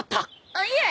あっいえ！